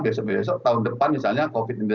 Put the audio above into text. besok besok tahun depan misalnya covid ini